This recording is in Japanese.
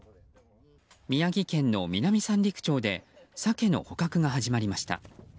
宮城県の南三陸町でサケの捕獲が始まりました。